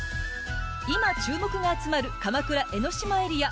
今、注目が集まる鎌倉・江の島エリア。